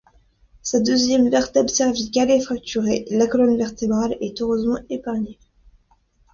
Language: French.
Sa deuxième vertèbre cervicale est fracturée, la colonne vertébrale est heureusement épargnée.